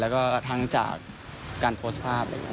และก็ทั้งจากการโพสต์ภาพ